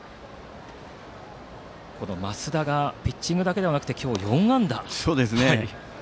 増田が、ピッチングだけじゃなく今日は４安打。